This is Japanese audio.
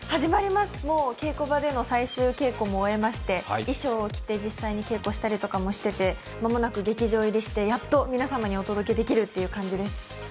もう稽古場での最終稽古も終えまして衣装を着て、実際に稽古したりとかもしてて、間もなく劇場入りして、やっと皆様にお届けできます。